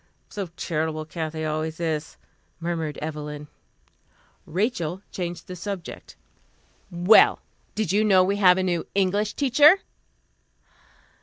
"So charitable, Kathy always is," murmured Evelyn. Rachel changed the subject. "Well did you know we have a new English teacher?"